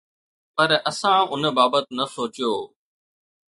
پر اسان ان بابت نه سوچيو.